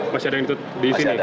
masih ada yang ikut di sini